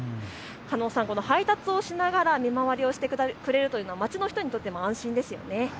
加納さん、配達をしながら見回りをしてくれるというのは街の人にとっても安心ですよね。